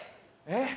えっ。